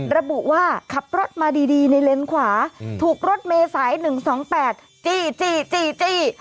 ระบุว่าขับรถมาดีในเลนส์ขวาถูกรถเมษาย๑๒๘จี้